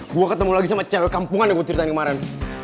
gue ketemu lagi sama kampungan yang gue ceritain kemarin